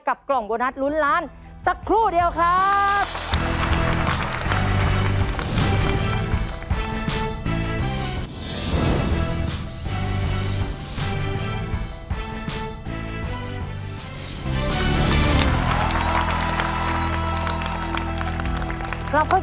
กล่องโบนัสลุ้นล้านสักครู่เดียวครับ